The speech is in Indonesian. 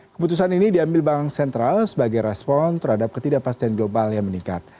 keputusan ini diambil bank sentral sebagai respon terhadap ketidakpastian global yang meningkat